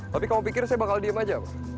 tapi kamu pikir saya bakal diem aja